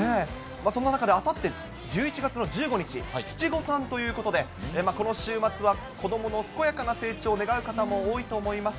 そんな中で、あさって１１月の１５日、七五三ということで、この週末は、子どもの健やかな成長を願う方も多いと思います。